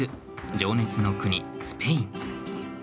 情熱の国、スペイン。